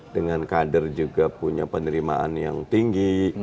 dengan kader juga punya penerimaan yang tinggi